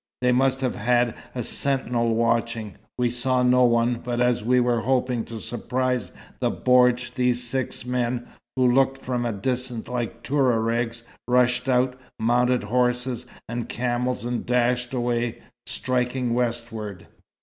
They must have had a sentinel watching. We saw no one, but as we were hoping to surprise the bordj these six men, who looked from a distance like Touaregs, rushed out, mounted horses and camels and dashed away, striking westward."